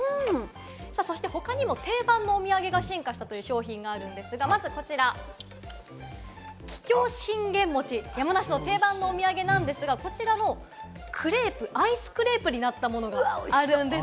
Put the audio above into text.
他にも定番のお土産が進化した商品があるんですが、まずこちら、桔梗信玄餅、山梨の定番のお土産なんですが、こちらもクレープ、アイスクレープになったものがあるんです。